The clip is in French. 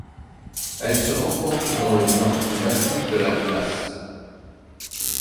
Elle se rencontre dans le nord du massif de l'Atlas.